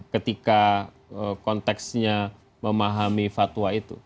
ketika konteksnya memahami fatwa itu